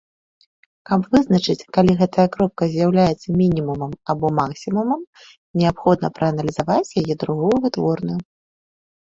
Каб вызначыць, калі гэтая кропка з'яўляецца мінімумам або максімумам, неабходна прааналізаваць яе другую вытворную.